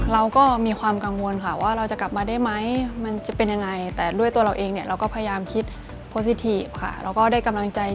เราก็มีความกังวลค่ะว่าเราจะกลับมาได้ไหมมันจะเป็นยังไง